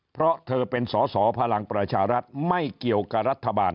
เพราะเธอเป็นสอสอพลังประชารัฐไม่เกี่ยวกับรัฐบาล